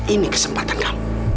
ini kesempatan kamu